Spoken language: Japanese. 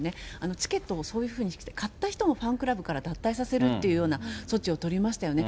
チケットをそういうふうにして買った人をファンクラブから脱退させるっていうような措置を取りましたよね。